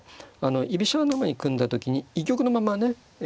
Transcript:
居飛車穴熊に組んだ時に居玉のままね襲いかかる。